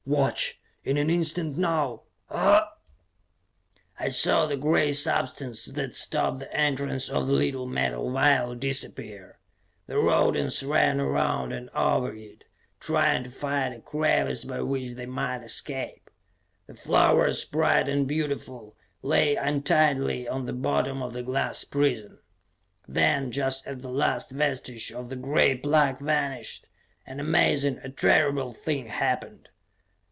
Watch ... In an instant now ... ah!" I saw the gray substance that stopped the entrance of the little metal vial disappear. The rodents ran around and over it, trying to find a crevice by which they might escape. The flowers, bright and beautiful, lay untidily on the bottom of the glass prison. Then, just as the last vestige of the gray plug vanished; an amazing, a terrible thing happened.